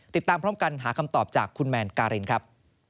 ติดตามพร้อมกันหาคำตอบจากคุณแมนการินครับ